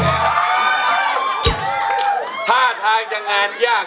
เพื่อจะไปชิงรางวัลเงินล้าน